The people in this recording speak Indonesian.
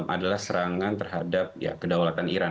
adalah serangan terhadap kedaulatan iran